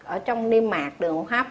ở trong niêm mạc đường hấp